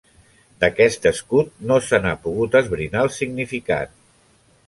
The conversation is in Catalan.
D'aquest escut no se n'ha pogut esbrinar el significat.